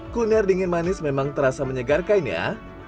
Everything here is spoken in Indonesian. kuliner dingin manis memang terasa menyegarkan ya